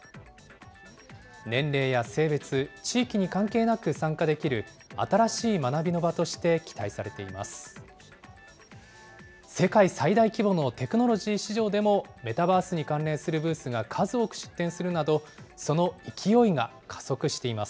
年齢や性別、地域に関係なく参加できる新しい学びの場として期待されています。